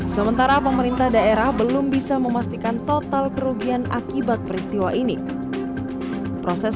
sementara pemerintah daerah belum bisa memastikan total kerugian akibat peristiwa ini proses